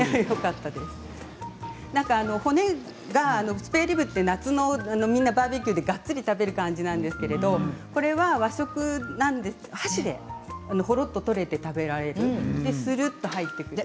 スペアリブは夏のバーベキューでがっつり食べる感じですがこれは和食なので箸でほろっと取れて食べられるするっと入って。